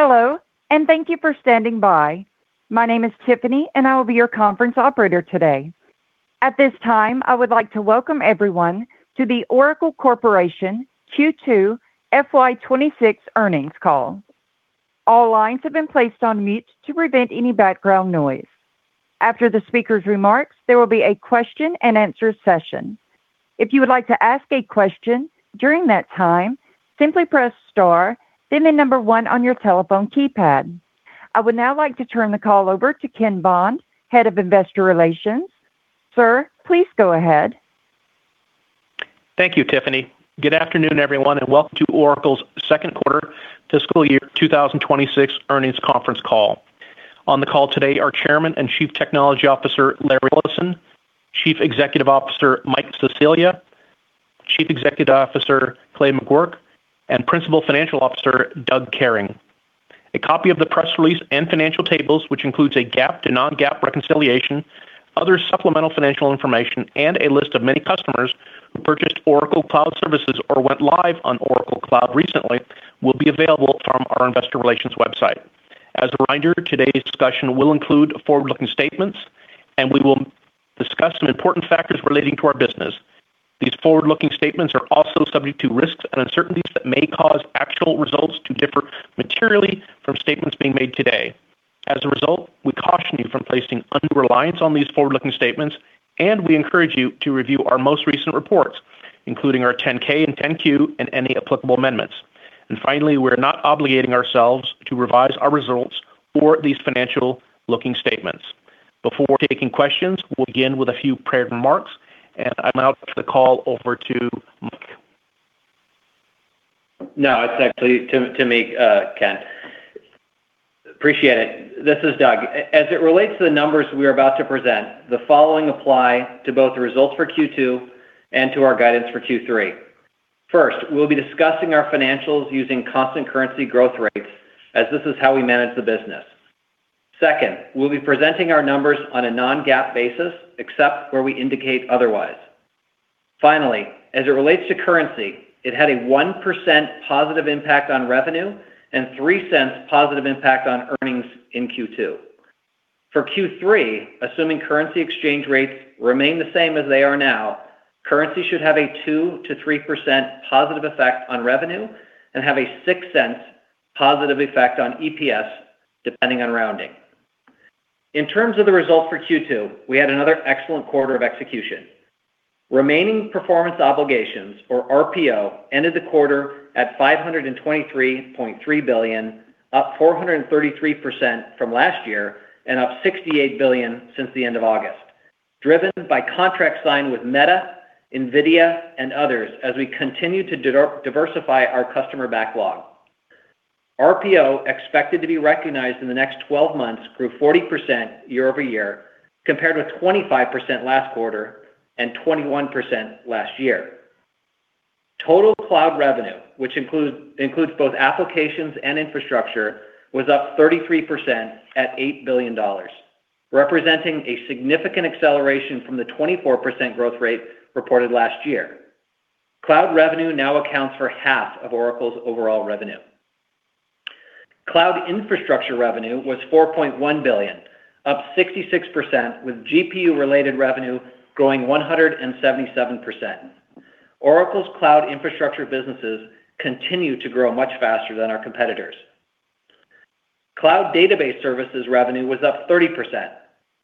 Hello, and thank you for standing by. My name is Tiffany, and I will be your conference operator today. At this time, I would like to welcome everyone to the Oracle Corporation Q2 FY 2026 Earnings Call. All lines have been placed on mute to prevent any background noise. After the speaker's remarks, there will be a question-and-answer session. If you would like to ask a question during that time, simply press star, then the number one on your telephone keypad. I would now like to turn the call over to Ken Bond, Head of Investor Relations. Sir, please go ahead. Thank you, Tiffany. Good afternoon, everyone, and welcome to Oracle's second quarter fiscal year 2026 earnings conference call. On the call today are Chairman and Chief Technology Officer Larry Ellison, Chief Executive Officer Mike Sicilia, Chief Executive Officer Clay Magouyrk, and Principal Financial Officer Doug Kehring. A copy of the press release and financial tables, which includes a GAAP to non-GAAP reconciliation, other supplemental financial information, and a list of many customers who purchased Oracle Cloud services or went live on Oracle Cloud recently, will be available from our Investor Relations website. As a reminder, today's discussion will include forward-looking statements, and we will discuss some important factors relating to our business. These forward-looking statements are also subject to risks and uncertainties that may cause actual results to differ materially from statements being made today. As a result, we caution you from placing undue reliance on these forward-looking statements, and we encourage you to review our most recent reports, including our 10-K and 10-Q, and any applicable amendments, and finally, we are not obligating ourselves to revise our results or these financial-looking statements. Before taking questions, we'll begin with a few prepared remarks, and I'll now turn the call over to Mike. No, it's actually to me, Ken. Appreciate it. This is Doug. As it relates to the numbers we are about to present, the following apply to both the results for Q2 and to our guidance for Q3. First, we'll be discussing our financials using constant currency growth rates, as this is how we manage the business. Second, we'll be presenting our numbers on a non-GAAP basis, except where we indicate otherwise. Finally, as it relates to currency, it had a 1% positive impact on revenue and $0.03 positive impact on earnings in Q2. For Q3, assuming currency exchange rates remain the same as they are now, currency should have a 2%-3% positive effect on revenue and have a $0.06 positive effect on EPS, depending on rounding. In terms of the results for Q2, we had another excellent quarter of execution. Remaining performance obligations, or RPO, ended the quarter at $523.3 billion, up 433% from last year and up $68 billion since the end of August, driven by contracts signed with Meta, NVIDIA, and others as we continue to diversify our customer backlog. RPO expected to be recognized in the next 12 months grew 40% year-over-year, compared with 25% last quarter and 21% last year. Total cloud revenue, which includes both applications and infrastructure, was up 33% at $8 billion, representing a significant acceleration from the 24% growth rate reported last year. Cloud revenue now accounts for half of Oracle's overall revenue. Cloud infrastructure revenue was $4.1 billion, up 66%, with GPU-related revenue growing 177%. Oracle's cloud infrastructure businesses continue to grow much faster than our competitors. Cloud database services revenue was up 30%,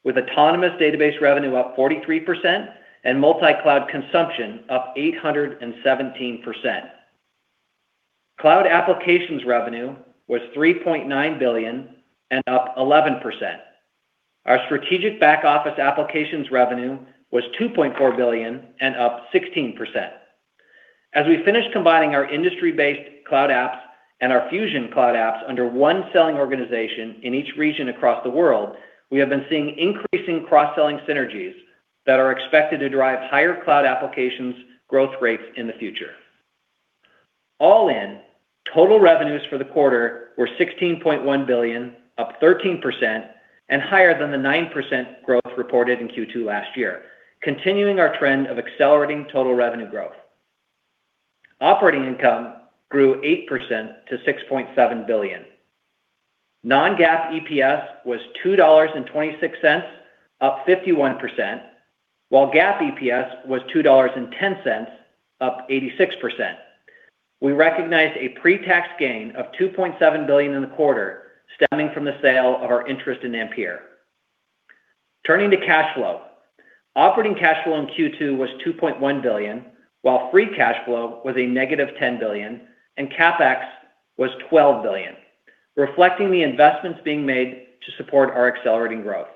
with autonomous database revenue up 43% and multi-cloud consumption up 817%. Cloud applications revenue was $3.9 billion and up 11%. Our strategic back office applications revenue was $2.4 billion and up 16%. As we finish combining our industry-based cloud apps and our fusion cloud apps under one selling organization in each region across the world, we have been seeing increasing cross-selling synergies that are expected to drive higher cloud applications growth rates in the future. All in, total revenues for the quarter were $16.1 billion, up 13%, and higher than the 9% growth reported in Q2 last year, continuing our trend of accelerating total revenue growth. Operating income grew 8% to $6.7 billion. Non-GAAP EPS was $2.26, up 51%, while GAAP EPS was $2.10, up 86%. We recognized a pre-tax gain of $2.7 billion in the quarter, stemming from the sale of our interest in Ampere. Turning to cash flow, operating cash flow in Q2 was $2.1 billion, while free cash flow was a negative $10 billion, and CapEx was $12 billion, reflecting the investments being made to support our accelerating growth.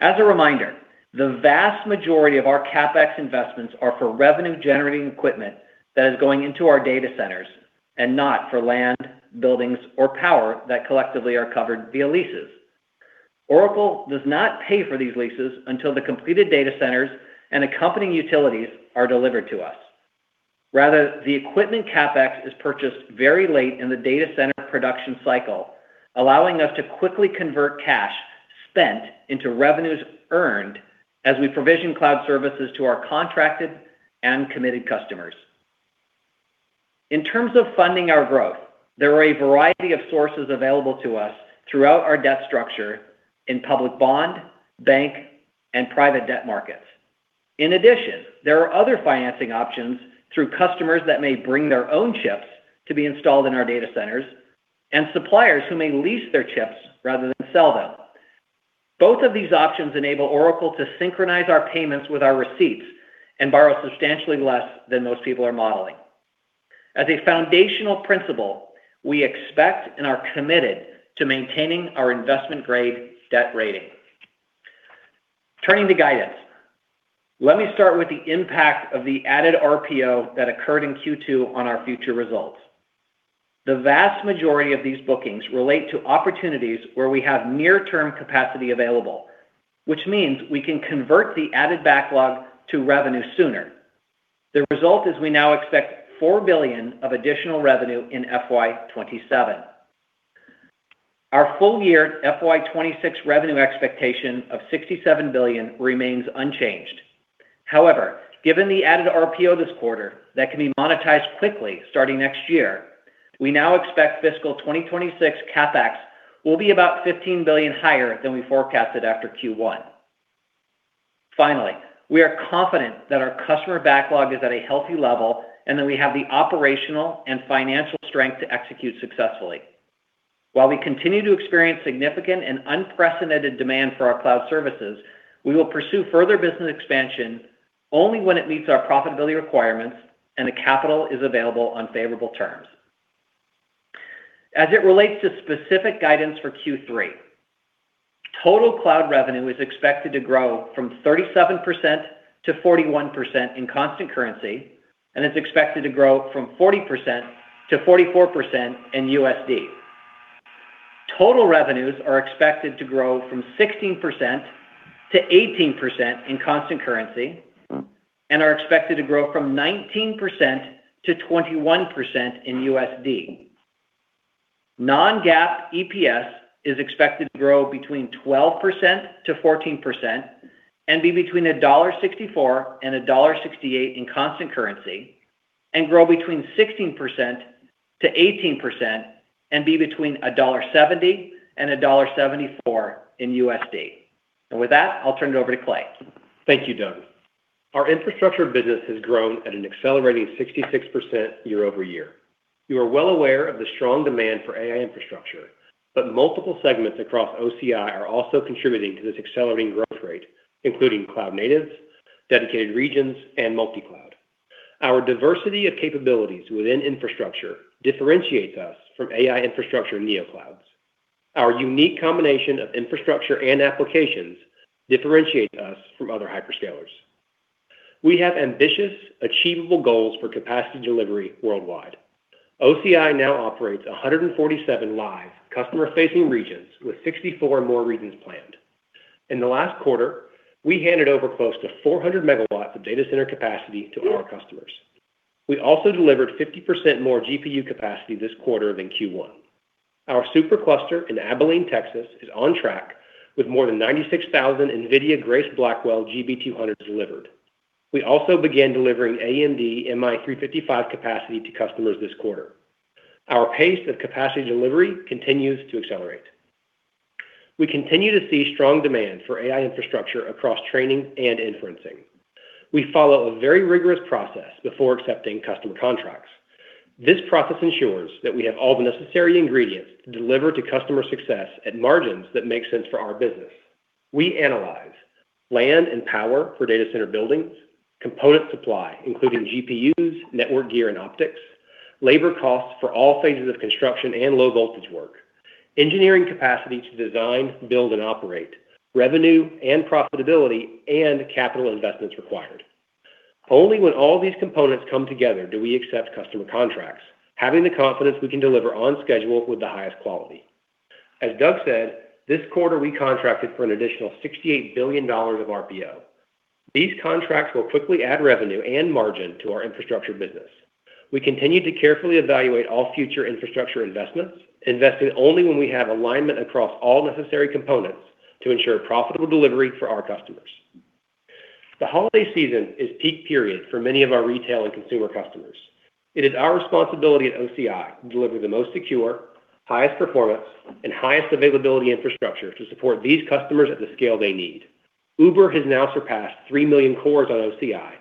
As a reminder, the vast majority of our CapEx investments are for revenue-generating equipment that is going into our data centers and not for land, buildings, or power that collectively are covered via leases. Oracle does not pay for these leases until the completed data centers and accompanying utilities are delivered to us. Rather, the equipment CapEx is purchased very late in the data center production cycle, allowing us to quickly convert cash spent into revenues earned as we provision cloud services to our contracted and committed customers. In terms of funding our growth, there are a variety of sources available to us throughout our debt structure in public bond, bank, and private debt markets. In addition, there are other financing options through customers that may bring their own chips to be installed in our data centers and suppliers who may lease their chips rather than sell them. Both of these options enable Oracle to synchronize our payments with our receipts and borrow substantially less than most people are modeling. As a foundational principle, we expect and are committed to maintaining our investment-grade debt rating. Turning to guidance, let me start with the impact of the added RPO that occurred in Q2 on our future results. The vast majority of these bookings relate to opportunities where we have near-term capacity available, which means we can convert the added backlog to revenue sooner. The result is we now expect $4 billion of additional revenue in FY 2027. Our full-year FY 2026 revenue expectation of $67 billion remains unchanged. However, given the added RPO this quarter that can be monetized quickly starting next year, we now expect fiscal 2026 CapEx will be about $15 billion higher than we forecasted after Q1. Finally, we are confident that our customer backlog is at a healthy level and that we have the operational and financial strength to execute successfully. While we continue to experience significant and unprecedented demand for our cloud services, we will pursue further business expansion only when it meets our profitability requirements and the capital is available on favorable terms. As it relates to specific guidance for Q3, total cloud revenue is expected to grow from 37%-41% in constant currency and is expected to grow from 40%-44% in USD. Total revenues are expected to grow from 16%-18% in constant currency and are expected to grow from 19%-21% in USD. Non-GAAP EPS is expected to grow between 12%-14% and be between $1.64 and $1.68 in constant currency and grow between 16%-18% and be between $1.70 and $1.74 in USD, and with that, I'll turn it over to Clay. Thank you, Doug. Our infrastructure business has grown at an accelerating 66% year-over-year. You are well aware of the strong demand for AI infrastructure, but multiple segments across OCI are also contributing to this accelerating growth rate, including cloud natives, Dedicated Regions, and multi-cloud. Our diversity of capabilities within infrastructure differentiates us from AI infrastructure neoclouds. Our unique combination of infrastructure and applications differentiates us from other hyperscalers. We have ambitious, achievable goals for capacity delivery worldwide. OCI now operates 147 live customer-facing regions with 64 more regions planned. In the last quarter, we handed over close to 400 MW of data center capacity to our customers. We also delivered 50% more GPU capacity this quarter than Q1. Our supercluster in Abilene, Texas, is on track with more than 96,000 NVIDIA Grace Blackwell GB200s delivered. We also began delivering AMD MI355 capacity to customers this quarter. Our pace of capacity delivery continues to accelerate. We continue to see strong demand for AI infrastructure across training and inferencing. We follow a very rigorous process before accepting customer contracts. This process ensures that we have all the necessary ingredients to deliver to customer success at margins that make sense for our business. We analyze land and power for data center buildings, component supply, including GPUs, network gear, and optics, labor costs for all phases of construction and low-voltage work, engineering capacity to design, build, and operate, revenue and profitability, and capital investments required. Only when all these components come together do we accept customer contracts, having the confidence we can deliver on schedule with the highest quality. As Doug said, this quarter, we contracted for an additional $68 billion of RPO. These contracts will quickly add revenue and margin to our infrastructure business. We continue to carefully evaluate all future infrastructure investments, investing only when we have alignment across all necessary components to ensure profitable delivery for our customers. The holiday season is a peak period for many of our retail and consumer customers. It is our responsibility at OCI to deliver the most secure, highest performance, and highest availability infrastructure to support these customers at the scale they need. Uber has now surpassed 3 million cores on OCI,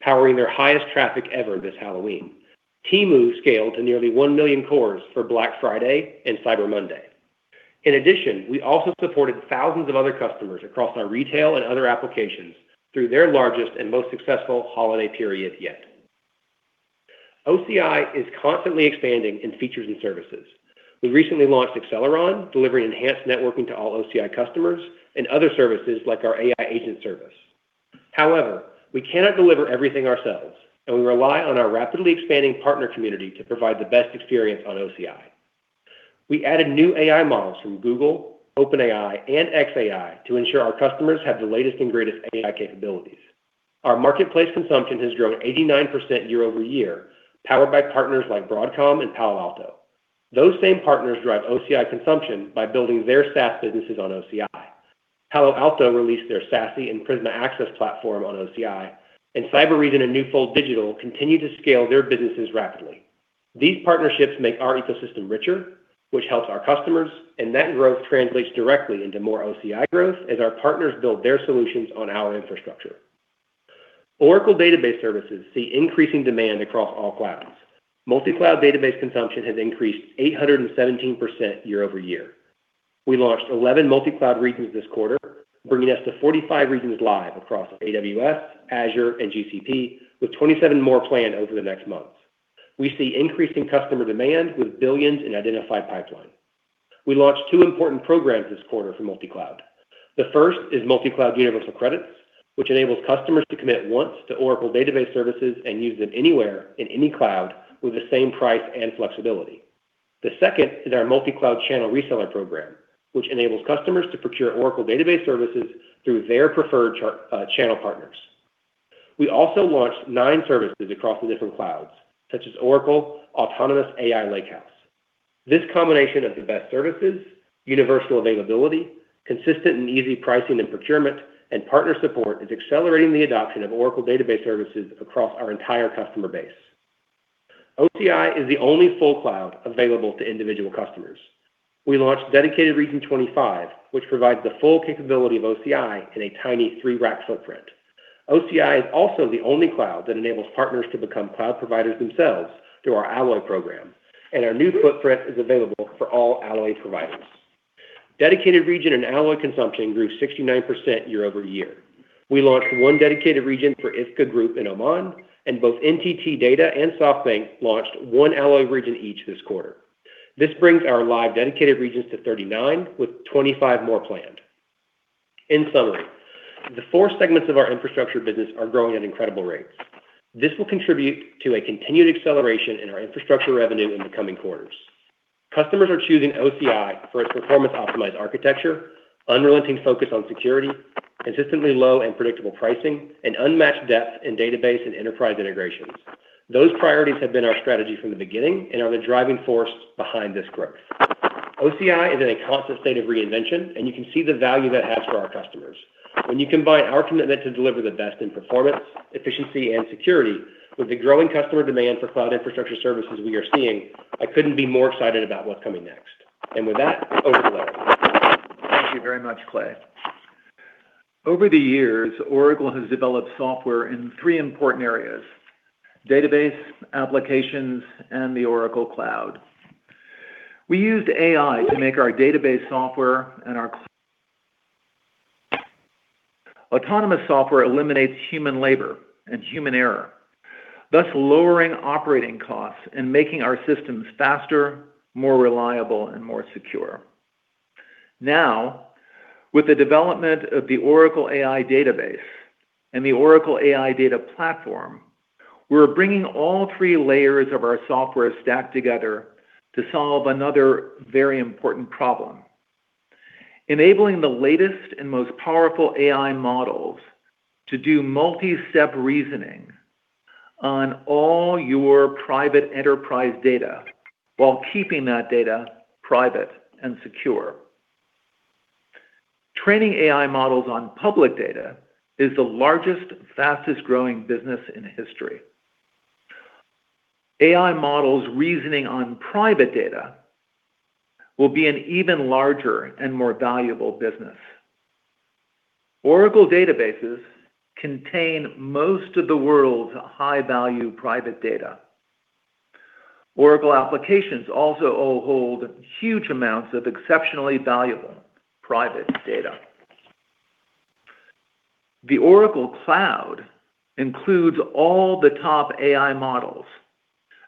powering their highest traffic ever this Halloween. Temu scaled to nearly 1 million cores for Black Friday and Cyber Monday. In addition, we also supported thousands of other customers across our retail and other applications through their largest and most successful holiday period yet. OCI is constantly expanding in features and services. We recently launched Acceleron, delivering enhanced networking to all OCI customers and other services like our AI agent service. However, we cannot deliver everything ourselves, and we rely on our rapidly expanding partner community to provide the best experience on OCI. We added new AI models from Google, OpenAI, and xAI to ensure our customers have the latest and greatest AI capabilities. Our marketplace consumption has grown 89% year-over-year, powered by partners like Broadcom and Palo Alto. Those same partners drive OCI consumption by building their SaaS businesses on OCI. Palo Alto released their SASE and Prisma Access platform on OCI, and Cybereason and Newfold Digital continue to scale their businesses rapidly. These partnerships make our ecosystem richer, which helps our customers, and that growth translates directly into more OCI growth as our partners build their solutions on our infrastructure. Oracle Database Services see increasing demand across all clouds. Multi-cloud database consumption has increased 817% year-over-year. We launched 11 multi-cloud regions this quarter, bringing us to 45 regions live across AWS, Azure, and GCP, with 27 more planned over the next months. We see increasing customer demand with billions in identified pipeline. We launched two important programs this quarter for multi-cloud. The first is multi-cloud universal credits, which enables customers to commit once to Oracle Database Services and use them anywhere in any cloud with the same price and flexibility. The second is our multi-cloud channel reseller program, which enables customers to procure Oracle Database Services through their preferred channel partners. We also launched nine services across the different clouds, such as Oracle Autonomous AI Lakehouse. This combination of the best services, universal availability, consistent and easy pricing and procurement, and partner support is accelerating the adoption of Oracle Database Services across our entire customer base. OCI is the only full cloud available to individual customers. We launched Dedicated Region 25, which provides the full capability of OCI in a tiny three-rack footprint. OCI is also the only cloud that enables partners to become cloud providers themselves through our Alloy program, and our new footprint is available for all Alloy providers. Dedicated Region and Alloy consumption grew 69% year-over-year. We launched one Dedicated Region for ITHCA Group in Oman, and both NTT Data and SoftBank launched one Alloy region each this quarter. This brings our live Dedicated Regions to 39, with 25 more planned. In summary, the four segments of our infrastructure business are growing at incredible rates. This will contribute to a continued acceleration in our infrastructure revenue in the coming quarters. Customers are choosing OCI for its performance-optimized architecture, unrelenting focus on security, consistently low and predictable pricing, and unmatched depth in database and enterprise integrations. Those priorities have been our strategy from the beginning and are the driving force behind this growth. OCI is in a constant state of reinvention, and you can see the value that it has for our customers. When you combine our commitment to deliver the best in performance, efficiency, and security with the growing customer demand for cloud infrastructure services we are seeing, I couldn't be more excited about what's coming next. And with that, over to Larry. Thank you very much, Clay. Over the years, Oracle has developed software in three important areas: database, applications, and the Oracle Cloud. We used AI to make our database software and our autonomous software eliminate human labor and human error, thus lowering operating costs and making our systems faster, more reliable, and more secure. Now, with the development of the Oracle AI Database and the Oracle AI Data Platform, we're bringing all three layers of our software stacked together to solve another very important problem: enabling the latest and most powerful AI models to do multi-step reasoning on all your private enterprise data while keeping that data private and secure. Training AI models on public data is the largest, fastest-growing business in history. AI models reasoning on private data will be an even larger and more valuable business. Oracle databases contain most of the world's high-value private data. Oracle applications also hold huge amounts of exceptionally valuable private data. The Oracle Cloud includes all the top AI models: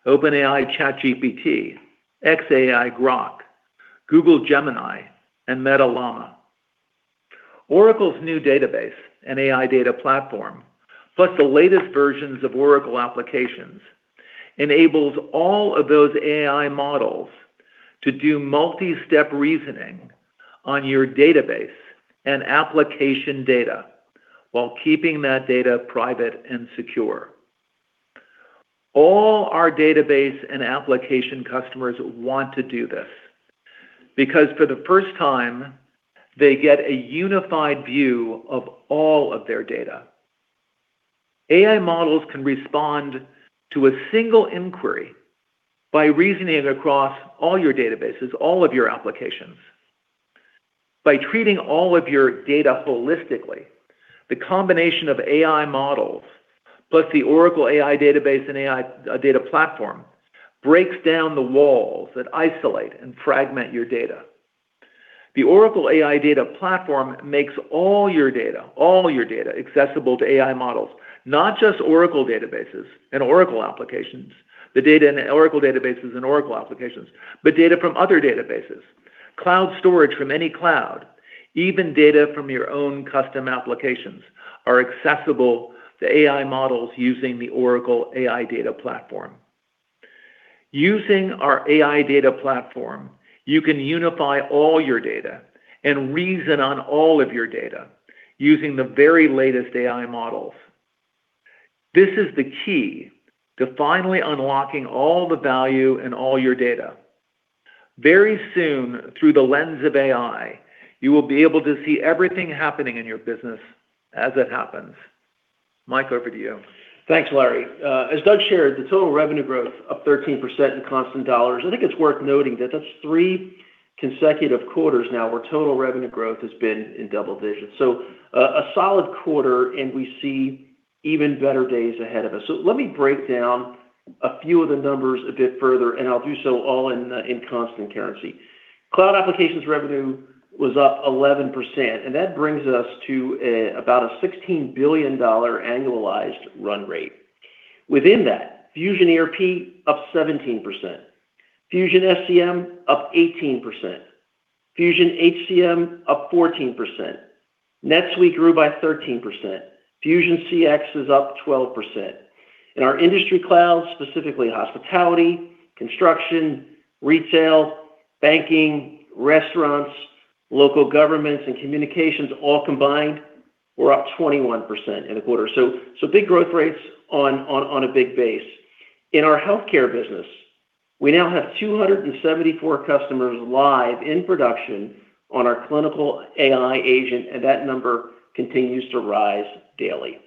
OpenAI ChatGPT, xAI, Grok, Google Gemini, and Meta Llama. Oracle's new database and AI Data Platform, plus the latest versions of Oracle applications, enables all of those AI models to do multi-step reasoning on your database and application data while keeping that data private and secure. All our database and application customers want to do this because, for the first time, they get a unified view of all of their data. AI models can respond to a single inquiry by reasoning across all your databases, all of your applications. By treating all of your data holistically, the combination of AI models, plus the Oracle AI Database and AI Data Platform, breaks down the walls that isolate and fragment your data. The Oracle AI Data Platform makes all your data, all your data, accessible to AI models, not just Oracle databases and Oracle applications, the data in Oracle databases and Oracle applications, but data from other databases, cloud storage from any cloud, even data from your own custom applications are accessible to AI models using the Oracle AI Data Platform. Using our AI Data Platform, you can unify all your data and reason on all of your data using the very latest AI models. This is the key to finally unlocking all the value in all your data. Very soon, through the lens of AI, you will be able to see everything happening in your business as it happens. Mike, over to you. Thanks, Larry. As Doug shared, the total revenue growth is up 13% in constant dollars. I think it's worth noting that that's three consecutive quarters now where total revenue growth has been in double digits. So a solid quarter, and we see even better days ahead of us. So let me break down a few of the numbers a bit further, and I'll do so all in constant currency. Cloud applications revenue was up 11%, and that brings us to about a $16 billion annualized run rate. Within that, Fusion ERP is up 17%. Fusion SCM is up 18%. Fusion HCM is up 14%. NetSuite grew by 13%. Fusion CX is up 12%. In our industry clouds, specifically hospitality, construction, retail, banking, restaurants, local governments, and communications all combined, we're up 21% in the quarter. So big growth rates on a big base. In our healthcare business, we now have 274 customers live in production on our clinical AI agent, and that number continues to rise daily.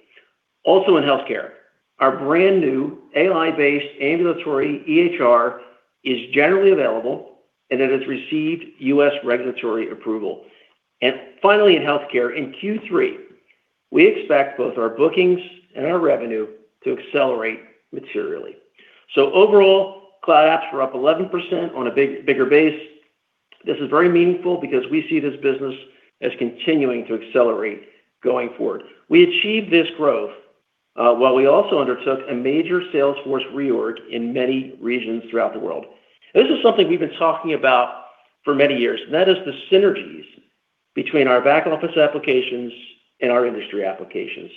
Also in healthcare, our brand new AI-based ambulatory EHR is generally available, and it has received U.S. regulatory approval. And finally, in healthcare, in Q3, we expect both our bookings and our revenue to accelerate materially. So overall, cloud apps are up 11% on a bigger base. This is very meaningful because we see this business as continuing to accelerate going forward. We achieved this growth while we also undertook a major sales force reorg in many regions throughout the world. This is something we've been talking about for many years, and that is the synergies between our back-office applications and our industry applications.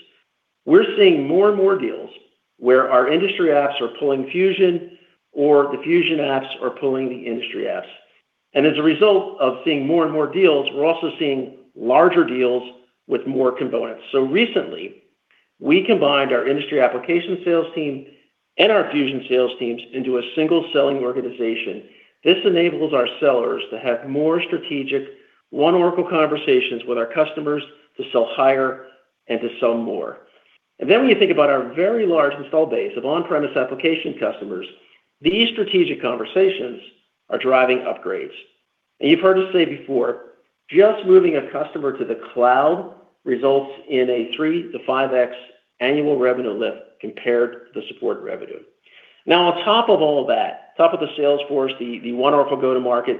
We're seeing more and more deals where our industry apps are pulling Fusion or the Fusion apps are pulling the industry apps. And as a result of seeing more and more deals, we're also seeing larger deals with more components. So recently, we combined our industry application sales team and our Fusion sales teams into a single selling organization. This enables our sellers to have more strategic One Oracle conversations with our customers to sell higher and to sell more. And then when you think about our very large installed base of on-premise application customers, these strategic conversations are driving upgrades. And you've heard us say before, just moving a customer to the cloud results in a 3-5x annual revenue lift compared to the support revenue. Now, on top of all that, top of the sales force, the One Oracle go-to-market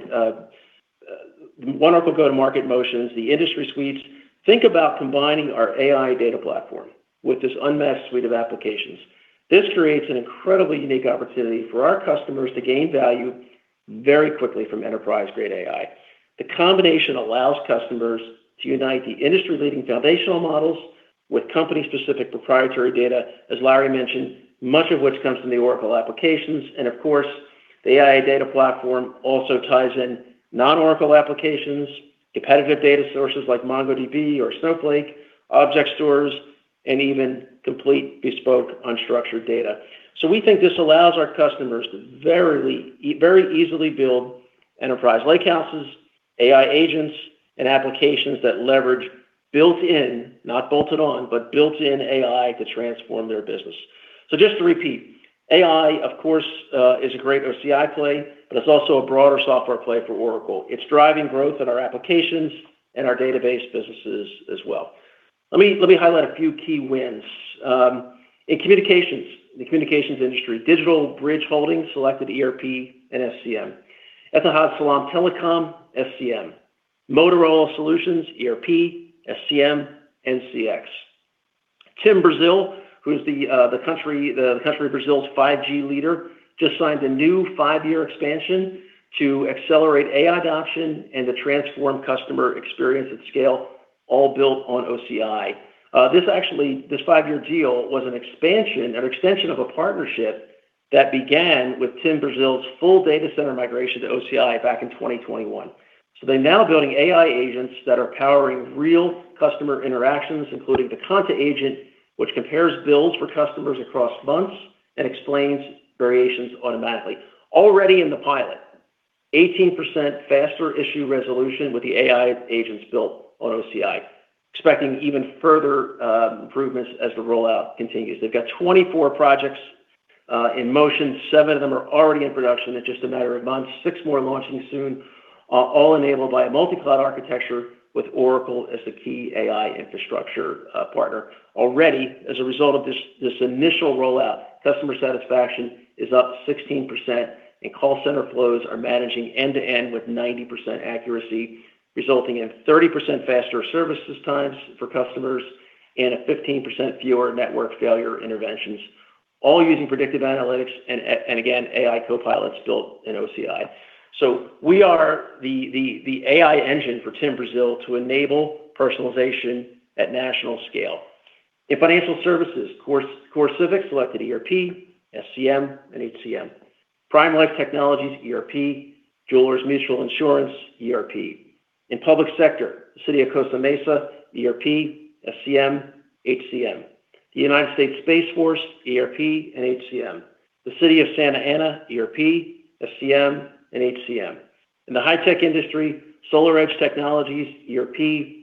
motions, the industry suites, think about combining our AI data platform with this unmatched suite of applications. This creates an incredibly unique opportunity for our customers to gain value very quickly from enterprise-grade AI. The combination allows customers to unite the industry-leading foundational models with company-specific proprietary data, as Larry mentioned, much of which comes from the Oracle applications. And of course, the AI data platform also ties in non-Oracle applications, competitive data sources like MongoDB or Snowflake, object stores, and even complete bespoke unstructured data. So we think this allows our customers to very easily build enterprise lakehouses, AI agents, and applications that leverage built-in, not bolted on, but built-in AI to transform their business. So just to repeat, AI, of course, is a great OCI play, but it's also a broader software play for Oracle. It's driving growth in our applications and our database businesses as well. Let me highlight a few key wins. In communications, the communications industry, DigitalBridge Holdings selected ERP and SCM. Etihad Salam Telecom, SCM. Motorola Solutions, ERP, SCM, and CX. TIM Brasil, who is the country of Brazil's 5G leader, just signed a new five-year expansion to accelerate AI adoption and to transform customer experience at scale, all built on OCI. This five-year deal was an expansion, an extension of a partnership that began with TIM Brasil's full data center migration to OCI back in 2021. So they're now building AI agents that are powering real customer interactions, including the Conta agent, which compares bills for customers across months and explains variations automatically. Already in the pilot, 18% faster issue resolution with the AI agents built on OCI, expecting even further improvements as the rollout continues. They've got 24 projects in motion. Seven of them are already in production in just a matter of months. Six more launching soon, all enabled by a multi-cloud architecture with Oracle as the key AI infrastructure partner. Already, as a result of this initial rollout, customer satisfaction is up 16%, and call center flows are managing end-to-end with 90% accuracy, resulting in 30% faster service times for customers and a 15% fewer network failure interventions, all using predictive analytics and, again, AI copilots built in OCI, so we are the AI engine for TIM Brasil to enable personalization at national scale. In financial services, CoreCivic selected ERP, SCM, and HCM. Prime Life Technologies ERP, Jewelers Mutual Group ERP. In public sector, the City of Costa Mesa, ERP, SCM, HCM. The United States Space Force ERP and HCM. The City of Santa Ana ERP, SCM, and HCM. In the high-tech industry, SolarEdge Technologies ERP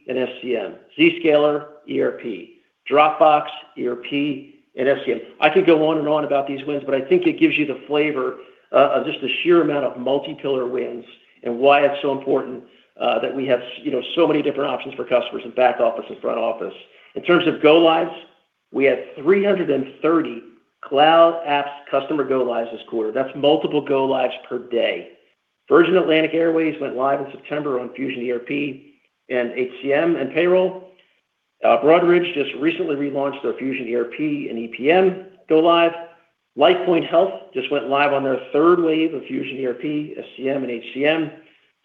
and SCM. Zscaler ERP, Dropbox ERP and SCM. I could go on and on about these wins, but I think it gives you the flavor of just the sheer amount of multi-pillar wins and why it's so important that we have so many different options for customers in back office and front office. In terms of go-lives, we had 330 cloud apps customer go-lives this quarter. That's multiple go-lives per day. Virgin Atlantic went live in September on Fusion ERP and HCM and payroll. Broadridge just recently relaunched their Fusion ERP and EPM go-live. LifePoint Health just went live on their third wave of Fusion ERP, SCM and HCM.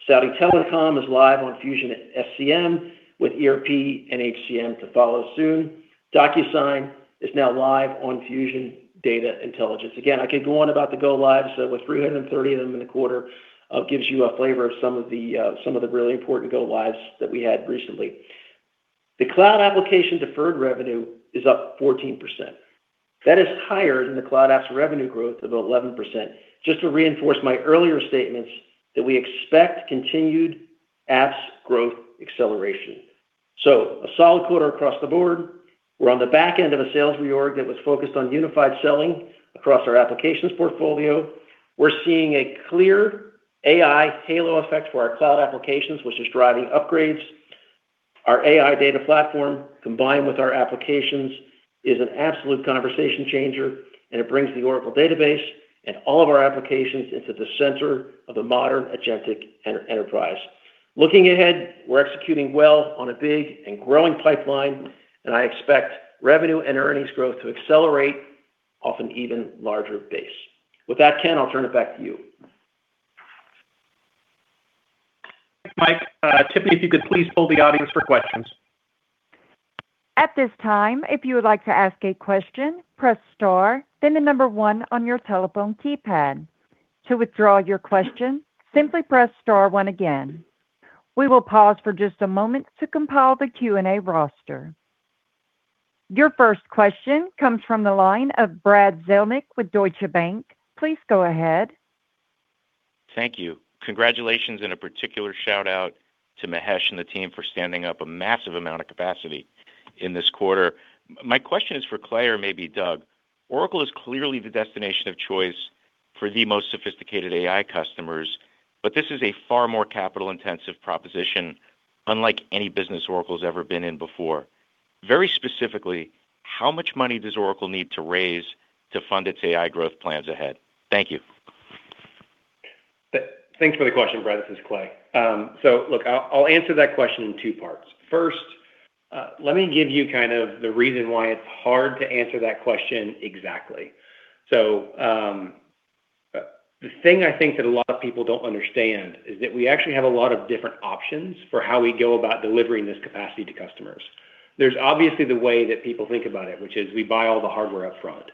Saudi Telecom is live on Fusion SCM with ERP and HCM to follow soon. DocuSign is now live on Fusion Data Intelligence. Again, I could go on about the go-lives, so with 330 of them in the quarter, it gives you a flavor of some of the really important go-lives that we had recently. The cloud application deferred revenue is up 14%. That is higher than the cloud apps revenue growth of 11%. Just to reinforce my earlier statements, we expect continued apps growth acceleration. So a solid quarter across the board. We're on the back end of a sales reorg that was focused on unified selling across our applications portfolio. We're seeing a clear AI halo effect for our cloud applications, which is driving upgrades. Our AI data platform, combined with our applications, is an absolute conversation changer, and it brings the Oracle database and all of our applications into the center of a modern agentic enterprise. Looking ahead, we're executing well on a big and growing pipeline, and I expect revenue and earnings growth to accelerate off an even larger base. With that, Ken, I'll turn it back to you. Thanks, Mike. Tiffany, if you could please hold the audience for questions. At this time, if you would like to ask a question, press star, then the number one on your telephone keypad. To withdraw your question, simply press star one again. We will pause for just a moment to compile the Q&A roster. Your first question comes from the line of Brad Zelnick with Deutsche Bank. Please go ahead. Thank you. Congratulations and a particular shout-out to Mahesh and the team for standing up a massive amount of capacity in this quarter. My question is for Clay, maybe Doug. Oracle is clearly the destination of choice for the most sophisticated AI customers, but this is a far more capital-intensive proposition, unlike any business Oracle's ever been in before. Very specifically, how much money does Oracle need to raise to fund its AI growth plans ahead? Thank you. Thanks for the question, Brad. This is Clay. So look, I'll answer that question in two parts. First, let me give you kind of the reason why it's hard to answer that question exactly. So the thing I think that a lot of people don't understand is that we actually have a lot of different options for how we go about delivering this capacity to customers. There's obviously the way that people think about it, which is we buy all the hardware upfront.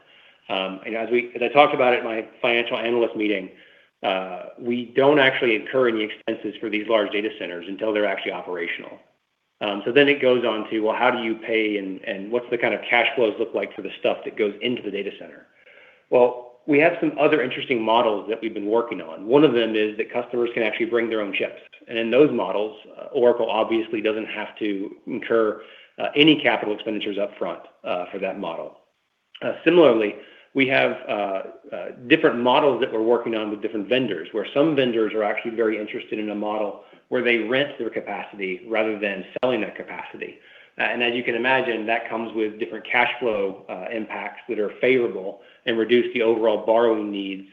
As I talked about it in my Financial Analyst meeting, we don't actually incur any expenses for these large data centers until they're actually operational. So then it goes on to well, how do you pay and what's the kind of cash flows look like for the stuff that goes into the data center. Well, we have some other interesting models that we've been working on. One of them is that customers can actually bring their own chips, and in those models, Oracle obviously doesn't have to incur any capital expenditures upfront for that model. Similarly, we have different models that we're working on with different vendors, where some vendors are actually very interested in a model where they rent their capacity rather than selling that capacity, and as you can imagine, that comes with different cash flow impacts that are favorable and reduce the overall borrowing needs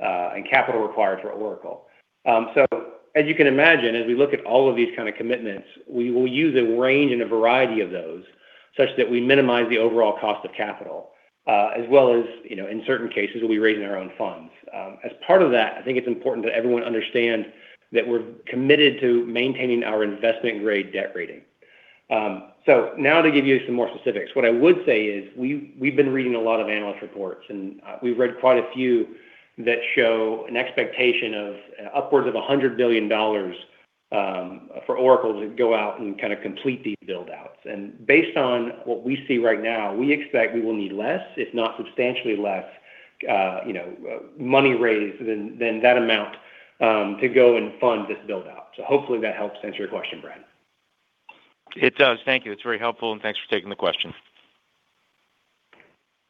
and capital required for Oracle, so as you can imagine, as we look at all of these kind of commitments, we will use a range and a variety of those such that we minimize the overall cost of capital, as well as, in certain cases, we raise our own funds. As part of that, I think it's important that everyone understand that we're committed to maintaining our investment-grade debt rating. So now to give you some more specifics. What I would say is we've been reading a lot of analyst reports, and we've read quite a few that show an expectation of upwards of $100 billion for Oracle to go out and kind of complete these buildouts. And based on what we see right now, we expect we will need less, if not substantially less money raised than that amount to go and fund this buildout. So hopefully that helps answer your question, Brad. It does. Thank you. It's very helpful, and thanks for taking the question.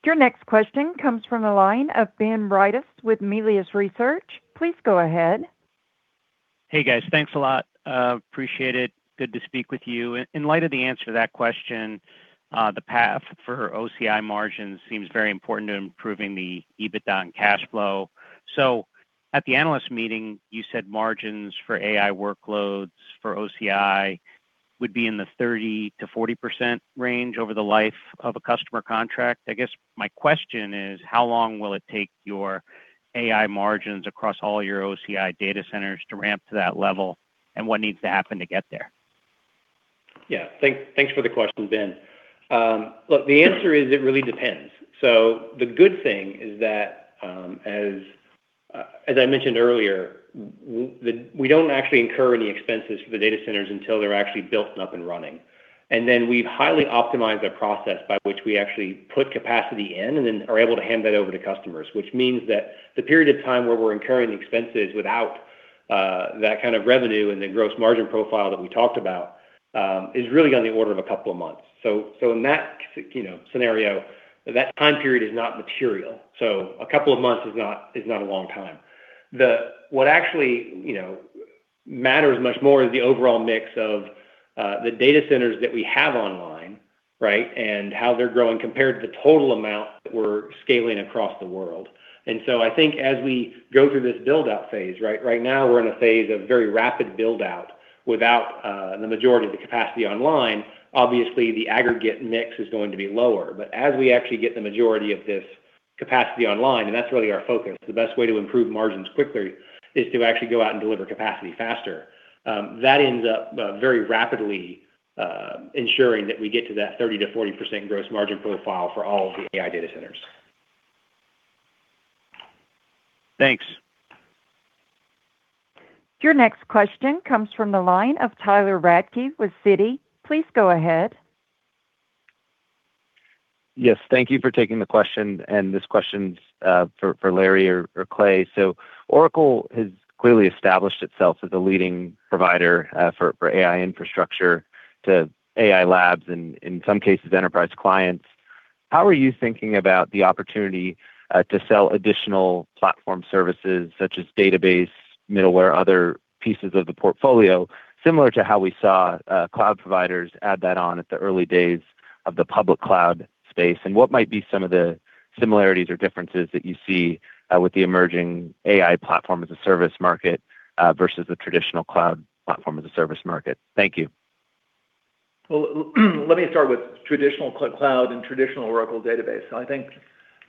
Your next question comes from the line of Ben Reitzes with Melius Research. Please go ahead. Hey, guys. Thanks a lot. Appreciate it. Good to speak with you. In light of the answer to that question, the path for OCI margins seems very important to improving the EBITDA and cash flow. So at the analyst meeting, you said margins for AI workloads for OCI would be in the 30%-40% range over the life of a customer contract. I guess my question is, how long will it take your AI margins across all your OCI data centers to ramp to that level, and what needs to happen to get there? Yeah. Thanks for the question, Ben. Look, the answer is it really depends. So the good thing is that, as I mentioned earlier, we don't actually incur any expenses for the data centers until they're actually built up and running. And then we've highly optimized our process by which we actually put capacity in and then are able to hand that over to customers, which means that the period of time where we're incurring expenses without that kind of revenue and the gross margin profile that we talked about is really on the order of a couple of months. So in that scenario, that time period is not material. So a couple of months is not a long time. What actually matters much more is the overall mix of the data centers that we have online, right, and how they're growing compared to the total amount that we're scaling across the world. And so I think as we go through this buildout phase, right, right now we're in a phase of very rapid buildout without the majority of the capacity online. Obviously, the aggregate mix is going to be lower. But as we actually get the majority of this capacity online, and that's really our focus, the best way to improve margins quickly is to actually go out and deliver capacity faster. That ends up very rapidly ensuring that we get to that 30%-40% gross margin profile for all of the AI data centers. Thanks. Your next question comes from the line of Tyler Radke with Citi. Please go ahead. Yes. Thank you for taking the question. And this question's for Larry or Clay. So Oracle has clearly established itself as a leading provider for AI infrastructure to AI labs and, in some cases, enterprise clients. How are you thinking about the opportunity to sell additional platform services such as database, middleware, other pieces of the portfolio, similar to how we saw cloud providers add that on at the early days of the public cloud space? And what might be some of the similarities or differences that you see with the emerging AI platform as a service market versus the traditional cloud platform as a service market? Thank you. Well, let me start with traditional cloud and traditional Oracle database. I think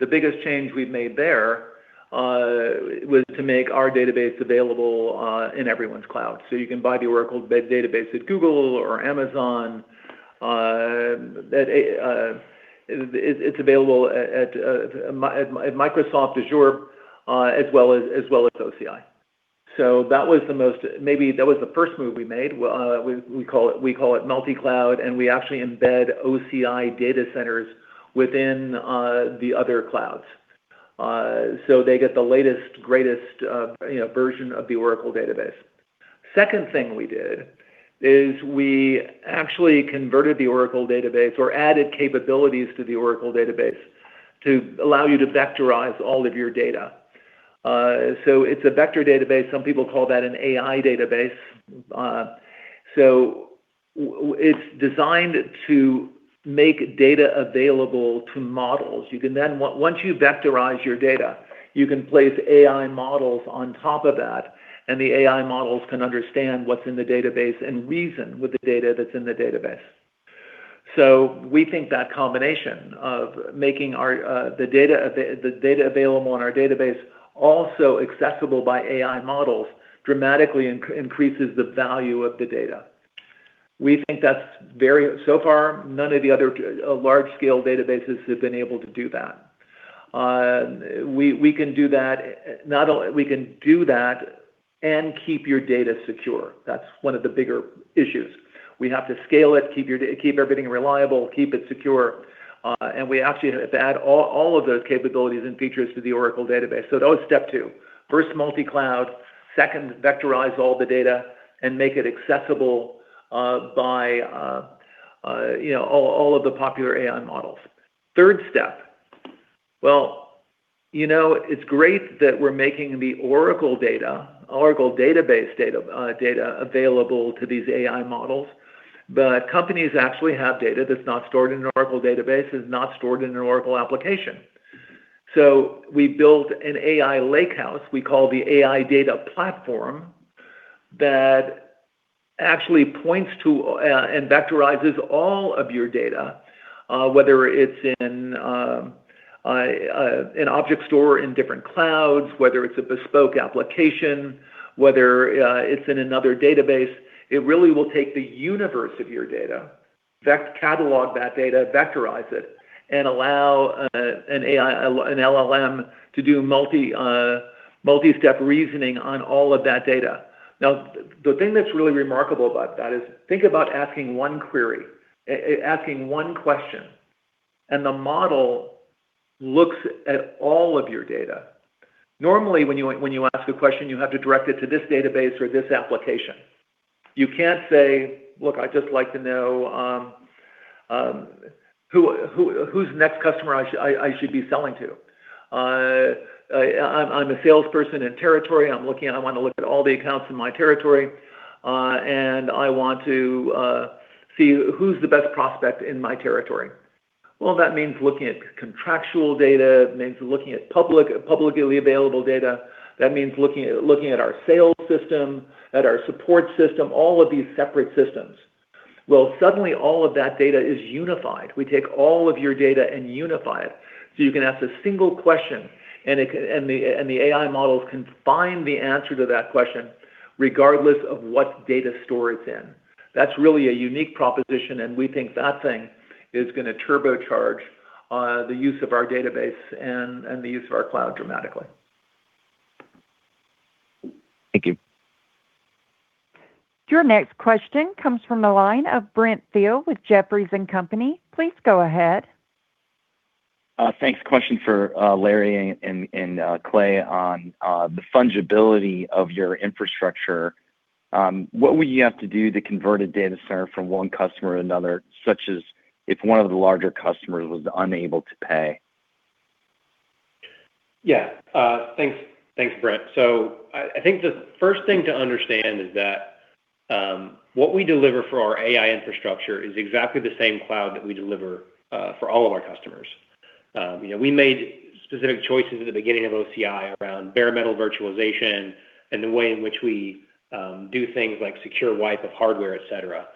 the biggest change we've made there was to make our database available in everyone's cloud. So you can buy the Oracle database at Google or Amazon. It's available at Microsoft Azure as well as OCI. So that was the most, maybe that was the first move we made. We call it multi-cloud, and we actually embed OCI data centers within the other clouds. So they get the latest, greatest version of the Oracle database. Second thing we did is we actually converted the Oracle database or added capabilities to the Oracle database to allow you to vectorize all of your data. So it's a vector database. Some people call that an AI database. So it's designed to make data available to models. Once you vectorize your data, you can place AI models on top of that, and the AI models can understand what's in the database and reason with the data that's in the database. So we think that combination of making the data available on our database also accessible by AI models dramatically increases the value of the data. We think that's very, so far, none of the other large-scale databases have been able to do that. We can do that, not only we can do that and keep your data secure. That's one of the bigger issues. We have to scale it, keep everything reliable, keep it secure, and we actually have to add all of those capabilities and features to the Oracle Database, so that was step two. First, multi-cloud. Second, vectorize all the data and make it accessible by all of the popular AI models. Third step, well, you know it's great that we're making the Oracle data, Oracle database data available to these AI models, but companies actually have data that's not stored in an Oracle database, is not stored in an Oracle application. So we built an AI lakehouse we call the AI Data Platform that actually points to and vectorizes all of your data, whether it's in an object store in different clouds, whether it's a bespoke application, whether it's in another database. It really will take the universe of your data, catalog that data, vectorize it, and allow an LLM to do multi-step reasoning on all of that data. Now, the thing that's really remarkable about that is think about asking one query, asking one question, and the model looks at all of your data. Normally, when you ask a question, you have to direct it to this database or this application. You can't say, "Look, I'd just like to know who's next customer I should be selling to. I'm a salesperson in territory. I want to look at all the accounts in my territory, and I want to see who's the best prospect in my territory." Well, that means looking at contractual data, means looking at publicly available data. That means looking at our sales system, at our support system, all of these separate systems. Well, suddenly all of that data is unified. We take all of your data and unify it so you can ask a single question, and the AI models can find the answer to that question regardless of what data store it's in. That's really a unique proposition, and we think that thing is going to turbocharge the use of our database and the use of our cloud dramatically. Thank you. Your next question comes from the line of Brent Thill with Jefferies & Company. Please go ahead. Thanks. Question for Larry and Clay on the fungibility of your infrastructure. What would you have to do to convert a data center from one customer to another, such as if one of the larger customers was unable to pay? Yeah. Thanks, Brent. So I think the first thing to understand is that what we deliver for our AI infrastructure is exactly the same cloud that we deliver for all of our customers. We made specific choices at the beginning of OCI around bare metal virtualization and the way in which we do things like secure wipe of hardware, etc.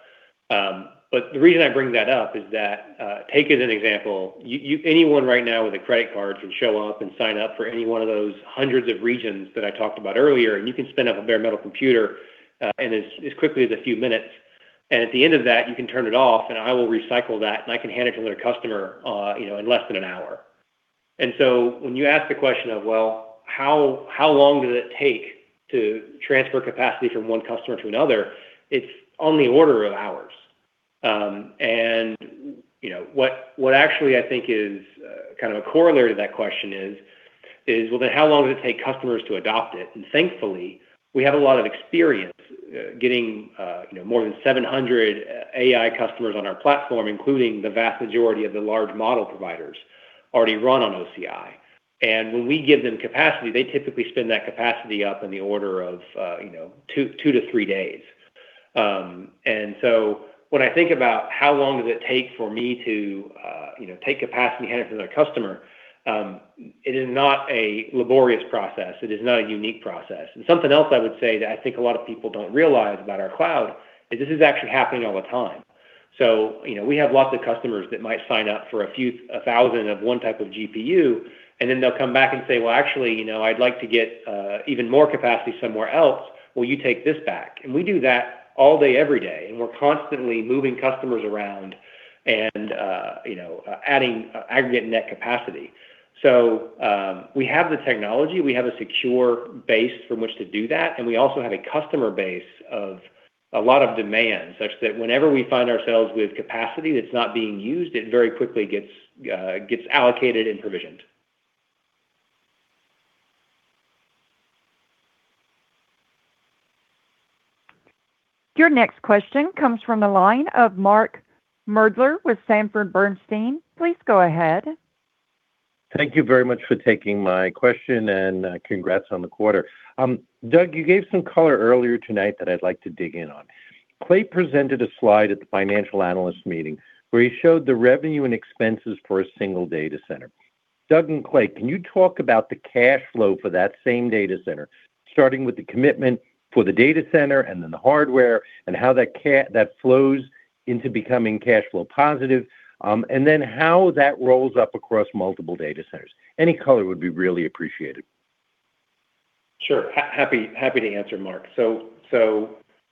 But the reason I bring that up is that, take as an example, anyone right now with a credit card can show up and sign up for any one of those hundreds of regions that I talked about earlier, and you can spin up a bare metal computer in as quickly as a few minutes. And at the end of that, you can turn it off, and I will recycle that, and I can hand it to another customer in less than an hour. And so when you ask the question of, "Well, how long does it take to transfer capacity from one customer to another?" It's on the order of hours. And what actually I think is kind of a corollary to that question is, well, then how long does it take customers to adopt it? And thankfully, we have a lot of experience getting more than 700 AI customers on our platform, including the vast majority of the large model providers already run on OCI. And when we give them capacity, they typically spin that capacity up in the order of 2-3 days. And so when I think about how long does it take for me to take capacity handed to another customer, it is not a laborious process. It is not a unique process. And something else I would say that I think a lot of people don't realize about our cloud is this is actually happening all the time. So we have lots of customers that might sign up for a few thousand of one type of GPU, and then they'll come back and say, "Well, actually, I'd like to get even more capacity somewhere else. Will you take this back?" And we do that all day, every day. And we're constantly moving customers around and adding aggregate net capacity. So we have the technology. We have a secure base from which to do that. And we also have a customer base of a lot of demand such that whenever we find ourselves with capacity that's not being used, it very quickly gets allocated and provisioned. Your next question comes from the line of Mark Moerdler with Sanford C. Bernstein. Please go ahead. Thank you very much for taking my question and congrats on the quarter. Doug, you gave some color earlier tonight that I'd like to dig in on. Clay presented a slide at the financial analyst meeting where he showed the revenue and expenses for a single data center. Doug and Clay, can you talk about the cash flow for that same data center, starting with the commitment for the data center and then the hardware and how that flows into becoming cash flow positive, and then how that rolls up across multiple data centers? Any color would be really appreciated. Sure. Happy to answer, Mark. So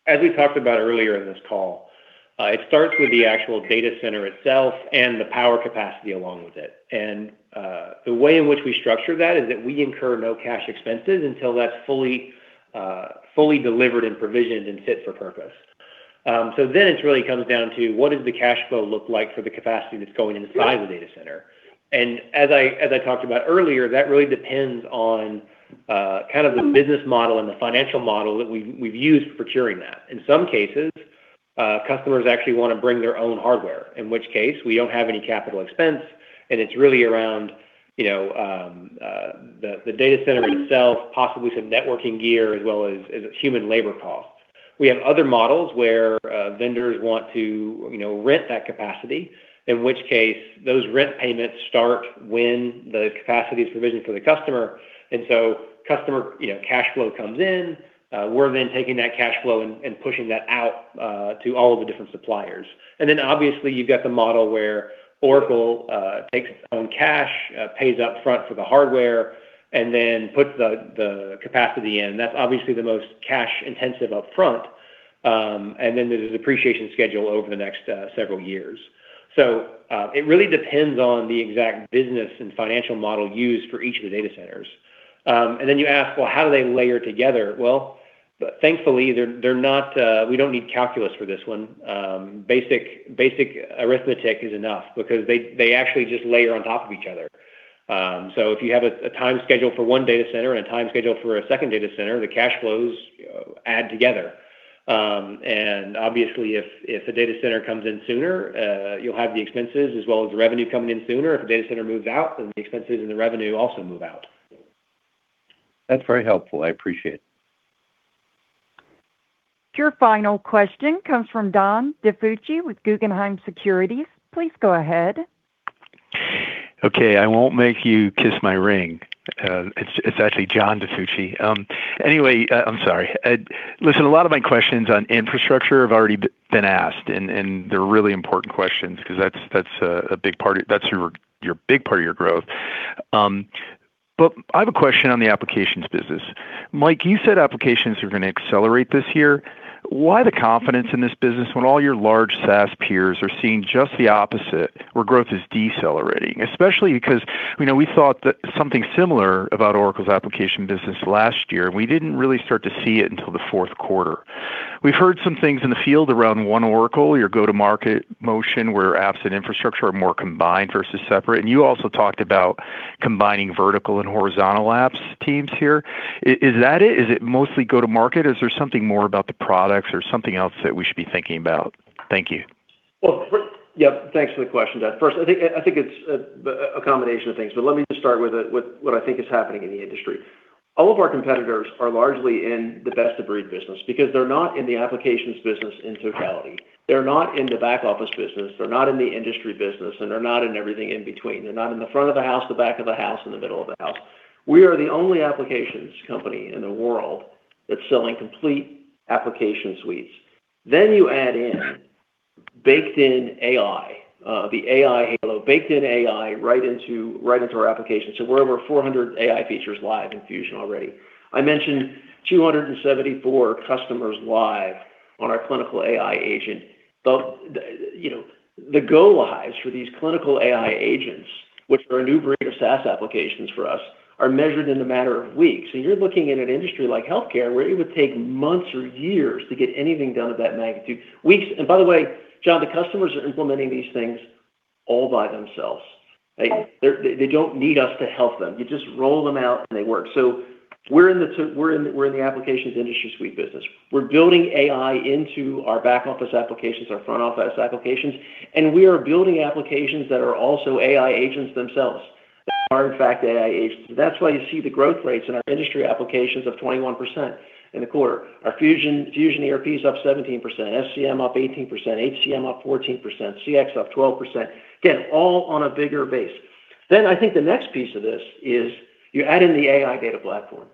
as we talked about earlier in this call, it starts with the actual data center itself and the power capacity along with it. And the way in which we structure that is that we incur no cash expenses until that's fully delivered and provisioned and fit for purpose. So then it really comes down to what does the cash flow look like for the capacity that's going inside the data center? And as I talked about earlier, that really depends on kind of the business model and the financial model that we've used for procuring that. In some cases, customers actually want to bring their own hardware, in which case we don't have any capital expense, and it's really around the data center itself, possibly some networking gear as well as human labor costs. We have other models where vendors want to rent that capacity, in which case those rent payments start when the capacity is provisioned for the customer, and so customer cash flow comes in. We're then taking that cash flow and pushing that out to all of the different suppliers, and then obviously you've got the model where Oracle takes its own cash, pays upfront for the hardware, and then puts the capacity in. That's obviously the most cash-intensive upfront, and then there's an appreciation schedule over the next several years, so it really depends on the exact business and financial model used for each of the data centers, and then you ask, "Well, how do they layer together?" well, thankfully, we don't need calculus for this one. Basic arithmetic is enough because they actually just layer on top of each other. So if you have a time schedule for one data center and a time schedule for a second data center, the cash flows add together. And obviously, if a data center comes in sooner, you'll have the expenses as well as the revenue coming in sooner. If a data center moves out, then the expenses and the revenue also move out. That's very helpful. I appreciate it. Your final question comes from John DiFucci with Guggenheim Securities. Please go ahead. Okay. I won't make you kiss my ring. It's actually John DiFucci. Anyway, I'm sorry. Listen, a lot of my questions on infrastructure have already been asked, and they're really important questions because that's a big part of your growth. But I have a question on the applications business. Mike, you said applications are going to accelerate this year. Why the confidence in this business when all your large SaaS peers are seeing just the opposite, where growth is decelerating? Especially because we thought that something similar about Oracle's application business last year, and we didn't really start to see it until the fourth quarter. We've heard some things in the field around One Oracle, your go-to-market motion where apps and infrastructure are more combined versus separate. And you also talked about combining vertical and horizontal apps teams here. Is that it? Is it mostly go-to-market? Is there something more about the products or something else that we should be thinking about? Thank you. Yep, thanks for the question, Doug. First, I think it's a combination of things, but let me just start with what I think is happening in the industry. All of our competitors are largely in the best-of-breed business because they're not in the applications business in totality. They're not in the back-office business. They're not in the industry business, and they're not in everything in between. They're not in the front of the house, the back of the house, and the middle of the house. We are the only applications company in the world that's selling complete application suites. Then you add in baked-in AI, the AI Halo, baked-in AI right into our application. So we're over 400 AI features live in Fusion already. I mentioned 274 customers live on our Clinical AI Agent. The go-lives for these clinical AI agents, which are a new breed of SaaS applications for us, are measured in the matter of weeks. And you're looking at an industry like healthcare where it would take months or years to get anything done of that magnitude. Weeks. And by the way, John, the customers are implementing these things all by themselves. They don't need us to help them. You just roll them out, and they work. So we're in the applications industry suite business. We're building AI into our back-office applications, our front-office applications, and we are building applications that are also AI agents themselves that are, in fact, AI agents. And that's why you see the growth rates in our industry applications of 21% in the quarter. Our Fusion ERP is up 17%, SCM up 18%, HCM up 14%, CX up 12%. Again, all on a bigger base. Then I think the next piece of this is you add in the AI Data Platform.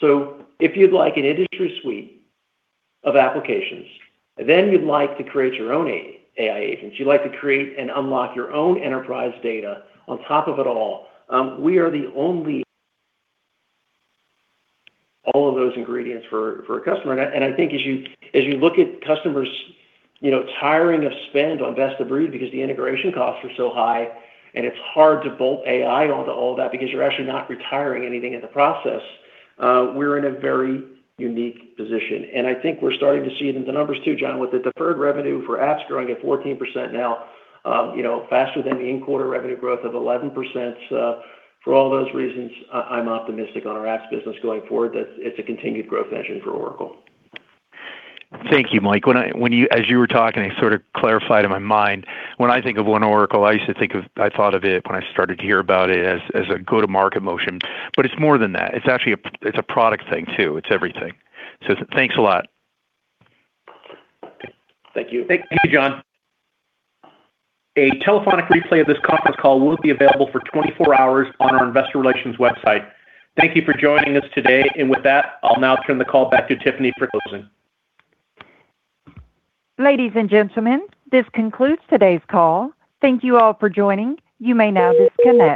So if you'd like an industry suite of applications, then you'd like to create your own AI agents. You'd like to create and unlock your own enterprise data on top of it all. We are the only. All of those ingredients for a customer. And I think as you look at customers tiring of spend on best-of-breed because the integration costs are so high and it's hard to bolt AI onto all of that because you're actually not retiring anything in the process, we're in a very unique position. And I think we're starting to see it in the numbers too, John, with the deferred revenue for apps growing at 14% now, faster than the in-quarter revenue growth of 11%. For all those reasons, I'm optimistic on our apps business going forward that it's a continued growth engine for Oracle. Thank you, Mike. As you were talking, I sort of clarified in my mind, when I think of One Oracle, I used to think of it when I started to hear about it as a go-to-market motion. But it's more than that. It's actually a product thing too. It's everything, so thanks a lot. Thank you. Thank you, John. A telephonic replay of this conference call will be available for 24 hours on our investor relations website. Thank you for joining us today. And with that, I'll now turn the call back to Tiffany for closing. Ladies and gentlemen, this concludes today's call. Thank you all for joining. You may now disconnect.